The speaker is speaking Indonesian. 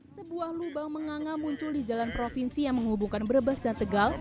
sebuah lubang menganga muncul di jalan provinsi yang menghubungkan brebes dan tegal